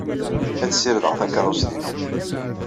Ad ssirdeɣ takeṛṛust-inu.